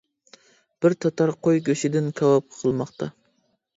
بىر تاتار قوي گۆشىدىن كاۋاپ قىلماقتا.